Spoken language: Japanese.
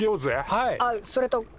はい。